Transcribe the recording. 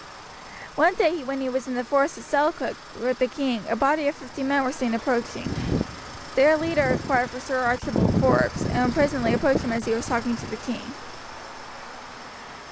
One day when he was in the forest of Selkirk with the king a body of fifty men were seen approaching. Their leader inquired for Sir Archibald Forbes, and presently approached him as he was talking to the king.